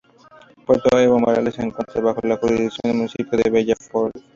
Puerto Evo Morales se encuentra bajo la jurisdicción del Municipio de Bella Flor.